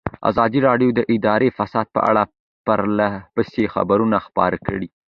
ازادي راډیو د اداري فساد په اړه پرله پسې خبرونه خپاره کړي.